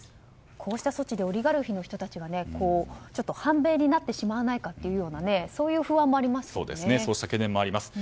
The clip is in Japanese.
こうした措置でオリガルヒの人たちは反米になってしまわないかというそういう不安もありますよね。